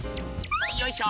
よいしょ！